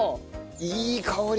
いい香り！